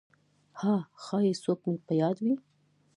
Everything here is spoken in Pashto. «ها… ښایي څوک مې په یاد وي!»